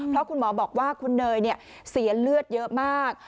เพราะคุณหมอบอกว่าคุณเนยเสียเลือดเยอะมาก